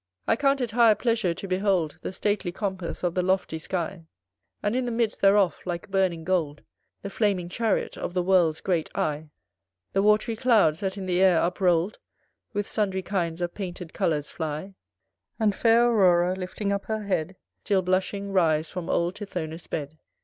I count it higher pleasure to behold The stately compass of the lofty sky; And in the midst thereof, like burning gold, The flaming chariot of the world's great eye: The watery clouds that in the air up roll'd With sundry kinds of painted colours fly; And fair Aurora, lifting up her head, Still blushing, rise from old Tithonus' bed.